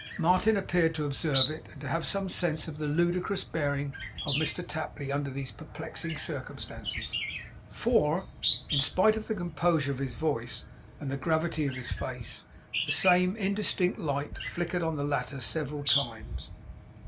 Martin appeared to observe it, and to have some sense of the ludicrous bearing of Mr Tapley under these perplexing circumstances; for, in spite of the composure of his voice and the gravity of his face, the same indistinct light flickered on the latter several times.